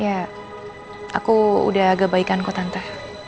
ya aku udah agak baikan kok tante